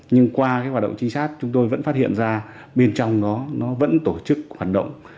nhưng qua cái hoạt động trinh sát chúng tôi vẫn phát hiện ra bên trong nó vẫn tổ chức hoạt động